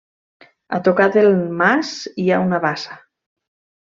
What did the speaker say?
A tocar del mas hi ha una bassa.